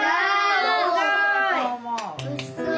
おいしそう。